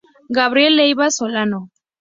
Gabriel Leyva Solano".